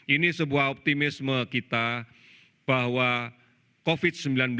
ini sebuah optimisme kita bahwa covid sembilan belas